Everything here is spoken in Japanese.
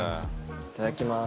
いただきます。